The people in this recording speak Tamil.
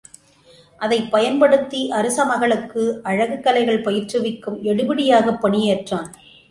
அதைப் பயன்படுத்தி அரச மகளுக்கு அழகுக் கலைகள் பயிற்றுவிக்கும் எடுபிடியாகப் பணி ஏற்றான்.